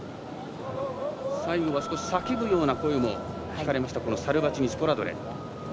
最後は少し叫ぶような声が聞こえたサルバチニスポラドレ。